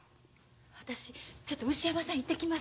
私ちょっと牛山さん行ってきます。